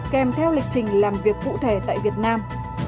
kèm theo lịch trình làm việc cụ thể tại việt nam